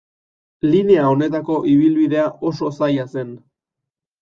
Linea honetako ibilbidea oso zaila zen.